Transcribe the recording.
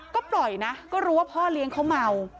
ก็ปล่อยนะก็รู้ว่าพ่อเลี้ยงเขาเมา